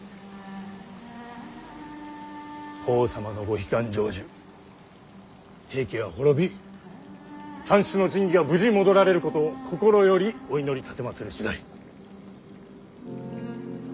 法皇様のご悲願成就平家が滅び三種の神器が無事戻られること心よりお祈り奉る次第。